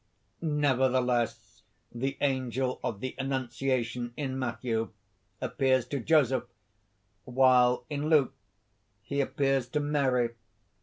"Nevertheless, the Angel of the annunciation, in Matthew, appears to Joseph; while, in Luke, he appears to Mary.